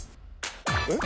えっ？